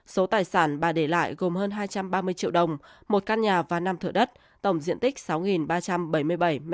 số tài sản bà để lại gồm hơn hai trăm ba mươi triệu đồng một căn nhà và năm thửa đất tổng diện tích sáu ba trăm bảy mươi bảy m hai